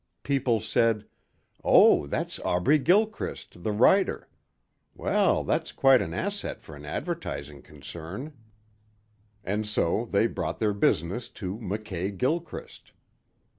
People said, "Oh, that's Aubrey Gilchrist, the writer. Well, that's quite an asset for an advertising concern." And so they brought their business to Mackay Gilchrist.